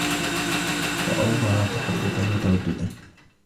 وَأَوْفَرَ تَحَبُّبًا وَتَوَدُّدًا